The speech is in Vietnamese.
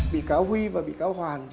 bị cáo huy và bị cáo hoàn